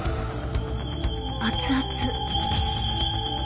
熱々。